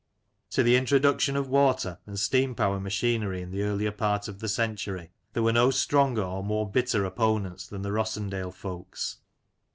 To the introduction of water and steam power machinery^ in the earlier part of the century, there were no stronger or more bitter opponents than the Rossendale folks.